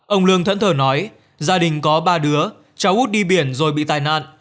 ông lương thẫn thờ nói gia đình có ba đứa cháu út đi biển rồi bị tai nạn